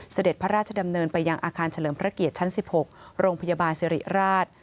เสด็จพระราชดำเนินไปยังอาคารเฉลิมพระเกียรติชั้น๑๖โรงพยาบาลสิริราช